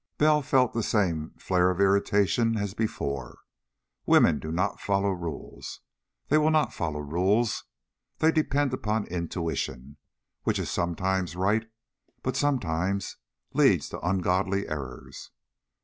Bell felt the same flare of irritation as before. Women do not follow rules. They will not follow rules. They depend upon intuition, which is sometimes right, but sometimes leads to ungodly errors.